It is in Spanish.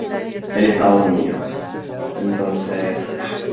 Annapurna Pictures distribuirá la película para su estreno en Estados Unidos.